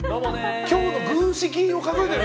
今日の軍資金を数えてるの？